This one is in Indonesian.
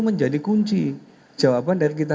menjadi kunci jawaban dari kita